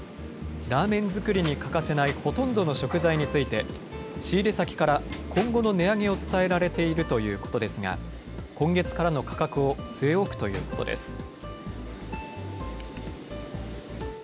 ラーメン作りに欠かせないほとんどの食材について、仕入れ先から今後の値上げを伝えられているということですが、今月からの価格を据え置くということです。